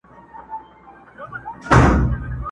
زه دي تږې یم د میني زما دي علم په کار نه دی،